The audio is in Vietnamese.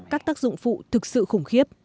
các tác dụng phụ thực sự khủng khiếp